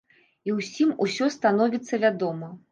І ўсім усё становіцца вядома.